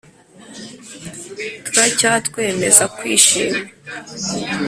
turacyatwemeza kwishima;